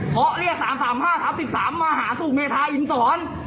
เพราะเรียก๓๓๕๓๓มหาสู่เมธาอินสอน